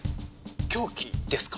凶器ですか？